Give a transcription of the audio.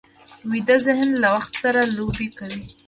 ویده ذهن له وخت سره لوبې کوي